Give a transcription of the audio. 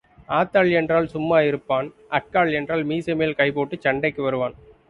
ஆத்தாள் என்றால் சும்மா இருப்பான் அக்காள் என்றால் மீசைமேல் கை போட்டுச் சண்டைக்கு வருவான்.